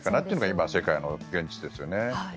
というのが今の世界の現実ですよね。